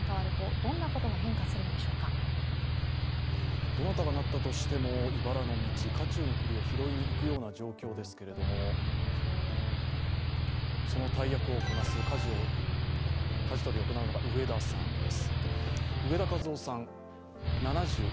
どなたがなったとしてもいばらの道、火中の栗を拾いにいくような状況ですけど、その大役をこなすかじ取りを行うのが植田さんです。